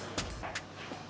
mereka pasti akan terpisah